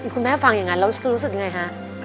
คุณแม่ฟังอย่างนั้นแล้วรู้สึกยังไงคะ